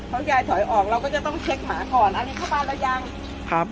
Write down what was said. เพราะยายถอยออกเราก็จะต้องเช็คหมาก่อนอันนี้เข้าบ้านเรายังครับ